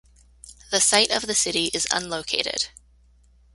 The site of the city is unlocated.